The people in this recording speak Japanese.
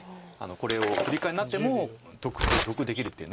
これをフリカワリになっても得できるっていう。